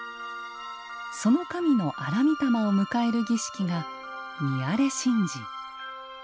その神の荒御霊を迎える儀式が御生神事。